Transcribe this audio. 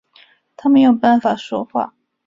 他没有办法说话